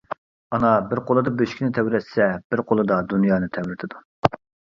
ئانا بىر قولىدا بۆشۈكنى تەۋرەتسە، بىر قولىدا دۇنيانى تەۋرىتىدۇ.